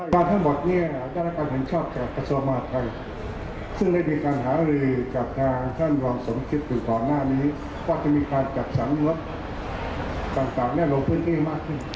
ท่องเที่ยวมีปริมาณเพิ่มขึ้นร้อยละ๑๕๐๐๐ล้านบาท